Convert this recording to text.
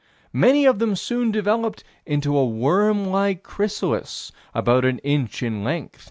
"Many soon developed into a worm like chrysalis, about an inch in length."